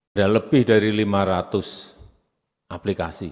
ada lebih dari lima ratus aplikasi